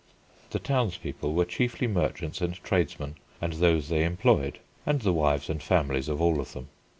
The townspeople were chiefly merchants and tradesmen and those they employed, and the wives and families of all of them.